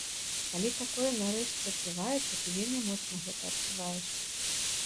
Калі такое нарэшце адбываецца, ты вельмі моцна гэта адчуваеш.